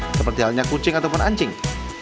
seperti halnya kucing ataupun anjing